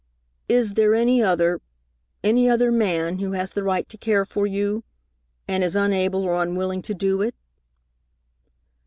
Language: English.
Is there any other any other man who has the right to care for you, and is unable or unwilling to do it?"